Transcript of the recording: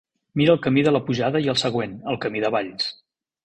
Mira el camí de la pujada i el següent, el camí de valls.